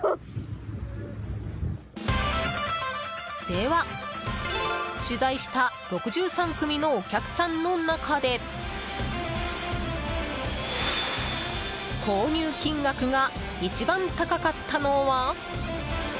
では、取材した６３組のお客さんの中で購入金額が一番高かったのは？